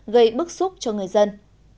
gây bức xúc cho người dân